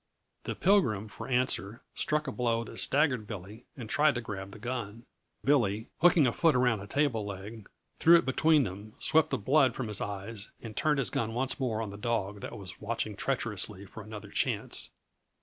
The Pilgrim, for answer, struck a blow that staggered Billy, and tried to grab the gun. Billy, hooking a foot around a table leg, threw it between them, swept the blood from his eyes and turned his gun once more on the dog that was watching treacherously for another chance.